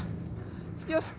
着きました。